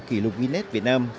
kỷ lục guinness việt nam